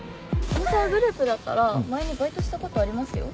天沢グループだったら前にバイトしたことありますよ